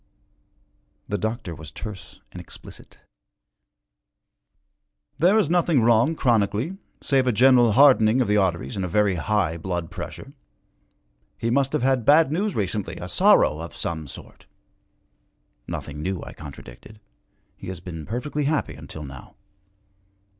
The doctor was terse and explicit. 'There is nothing wrong, chronically, save a general hardening of the arteries and a very high blood pressure. He must have had bad news recently, a sorrow of some sort.' 'Nothing new,' I contradicted. 'He has been perfectly happy until now.'